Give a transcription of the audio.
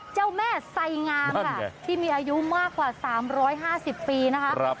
เจ้าแม่ไสงามค่ะที่มีอายุมากกว่า๓๕๐ปีนะคะ